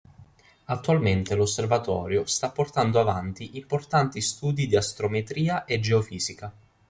Attualmente l'osservatorio sta portando avanti importanti studi di astrometria e geofisica.